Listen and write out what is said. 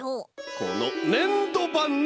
このねんどばんね！